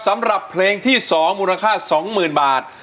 สำหรับเพลงที่สองมูลค่าสองหมื่นบาท